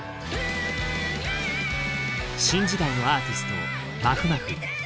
新時代のアーティストまふまふ。